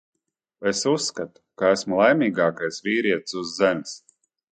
Es uzskatu, ka esmu laimīgākais vīrietis uz Zemes.